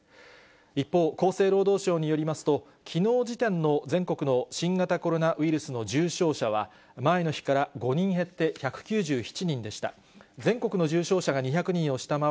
一方、厚生労働省によりますと、きのう時点の全国の新型コロナウイルスの重症者は、前の日から５人減って、１９７人でした。